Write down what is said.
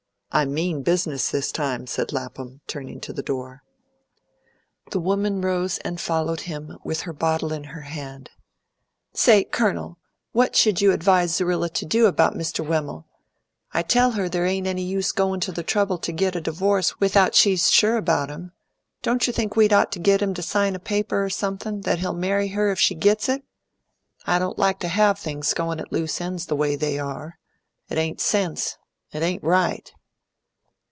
I mean business this time," said Lapham, turning to the door. The woman rose and followed him, with her bottle in her hand. "Say, Colonel! what should you advise Z'rilla to do about Mr. Wemmel? I tell her there ain't any use goin' to the trouble to git a divorce without she's sure about him. Don't you think we'd ought to git him to sign a paper, or something, that he'll marry her if she gits it? I don't like to have things going at loose ends the way they are. It ain't sense. It ain't right."